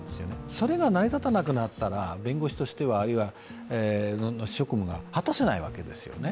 それが成り立たなくなったら弁護士としては、あるいな職務が果たせないわけですよね。